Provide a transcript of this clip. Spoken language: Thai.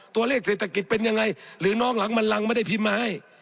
ตัวเลขเศรษฐกิจเป็นยังไงหรือน้องหลังมันรังไม่ได้พิมพ์มาให้